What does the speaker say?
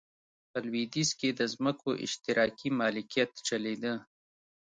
په لوېدیځ کې د ځمکو اشتراکي مالکیت چلېده.